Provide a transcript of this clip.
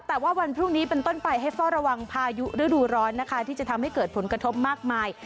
แต่ว่าวันพรุ่งนี้เป็นต้นไปให้เฝ้าระวังพายุฤดูร้อนนะคะที่จะทำให้เกิดผลกระทบมากมาย